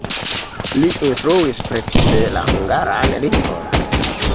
Li instruis precipe la hungaran lingvon.